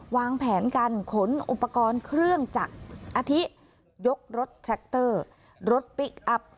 วางแผนการขนอุปกรณ์เครื่องจักรอาทิยกรถแทรคเตอร์รถพลิกอัพ